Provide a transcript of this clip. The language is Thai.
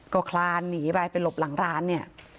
ก็คลานหนีไปไปหลบหลังร้านเนี่ย